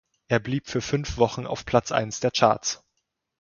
Es blieb für fünf Wochen auf Platz eins der Charts.